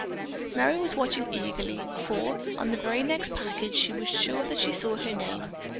Merry was watching eagerly, for, on the very next package she was sure that she saw her name.